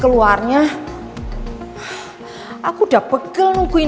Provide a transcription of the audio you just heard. terima kasih ma